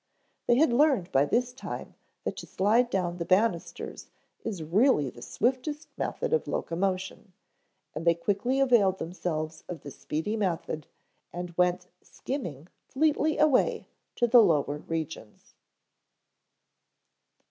They had learned by this time that to slide down the banisters is really the swiftest method of locomotion, and they quickly availed themselves of this speedy method and went skimming fleetly away to the lower regions.